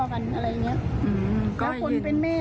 อะไรอย่างนี้แล้วก็หัวลอกันอะไรอย่างนี้